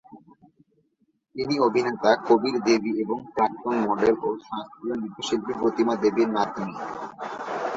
তিনি অভিনেতা কবির বেদী এবং প্রাক্তন মডেল ও শাস্ত্রীয় নৃত্যশিল্পী প্রতিমা বেদীর নাতনী।